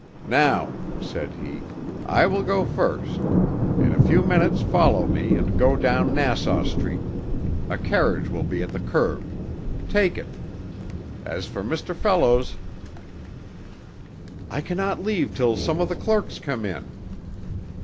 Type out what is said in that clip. "Now," said he, "I will go first. In a few minutes follow me and go down Nassau Street. A carriage will be at the curb. Take it. As for Mr. Fellows " "I cannot leave till some of the clerks come in."